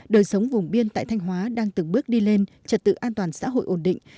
đời sống vùng biên tại thanh hóa đang từng bước đi lên trật tự an toàn xã hội ổn định